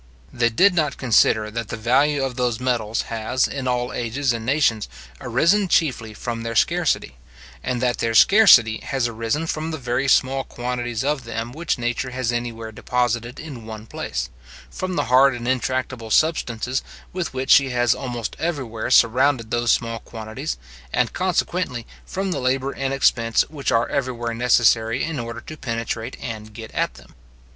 They did not consider that the value of those metals has, in all ages and nations, arisen chiefly from their scarcity, and that their scarcity has arisen from the very small quantities of them which nature has anywhere deposited in one place, from the hard and intractable substances with which she has almost everywhere surrounded those small quantities, and consequently from the labour and expense which are everywhere necessary in order to penetrate, and get at them.